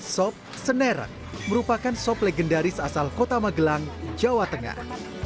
sop senerak merupakan sop legendaris asal kota magelang jawa tengah